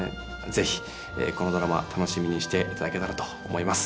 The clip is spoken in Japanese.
是非このドラマ楽しみにしていただけたらと思います。